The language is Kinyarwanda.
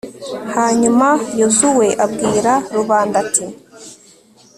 hanyuma yozuwe abwira rubanda, ati